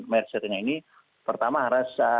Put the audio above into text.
merger nya ini pertama harus